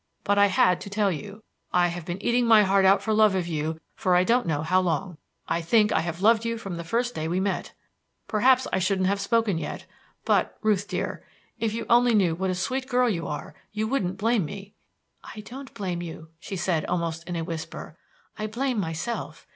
But I had to tell you. I have been eating my heart out for love of you for I don't know how long. I think I have loved you from the first day we met. Perhaps I shouldn't have spoken yet, but, Ruth dear, if you only knew what a sweet girl you are, you wouldn't blame me." "I don't blame you," she said, almost in a whisper; "I blame myself.